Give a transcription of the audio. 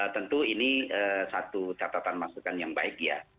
tentu ini satu catatan masukan yang baik ya